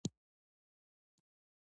دوی ته د لمر خاته او ماښام ننداره وښایئ.